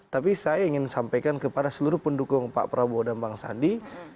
tapi saya ingin sampaikan kepada seluruh pendukung pak prabowo dan bang sandi